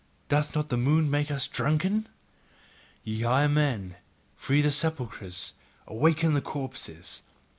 Doth not the moon make us drunken?" Ye higher men, free the sepulchres, awaken the corpses!